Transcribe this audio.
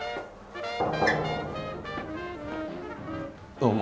どうも。